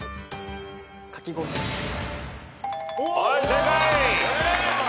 はい正解。